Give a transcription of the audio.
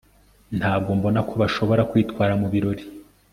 ntabwo mbona ko bashobora kwitwara mubirori